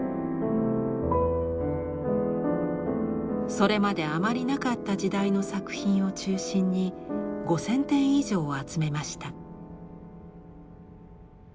それまであまりなかった時代の作品を中心に５，０００点以上を集めました。